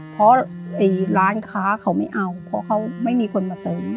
เพราะร้านค้าเขาไม่เอาเพราะเขาไม่มีคนมาเติม